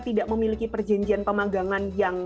tidak memiliki perjanjian pemagangan yang